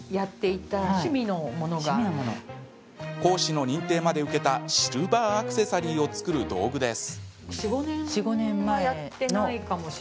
講師の認定まで受けたシルバーアクセサリーを作る道具です。